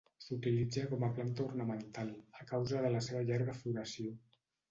S'utilitza com a planta ornamental, a causa de la seva llarga floració.